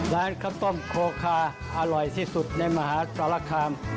ร้านข้าวต้มโคคาอร่อยที่สุดในมหาสารคาม